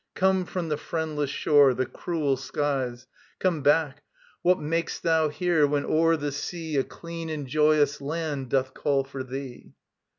Come from the friendless shore, the cruel skies, Come back: what mak'st thou here, when o'er the sea A clean and joyous land doth call for thee?